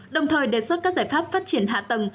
đồng thời đề xuất các giải pháp phát triển hạ tầng